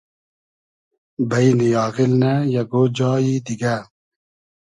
بݷن آغیل نۂ ! یئگۉ جایی دیگۂ